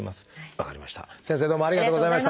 分かりました。